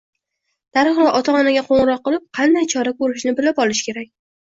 darhol ota-onaga qo‘ng‘iroq qilib, qanday chora ko‘rishni bilib olish kerak.